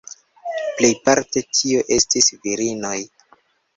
Plejparte tio estis virinoj.